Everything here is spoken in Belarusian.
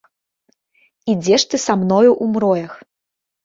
Ідзеш ты са мною ў мроях.